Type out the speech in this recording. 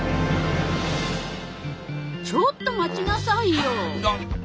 ちょっと待ちなさいよ。だっ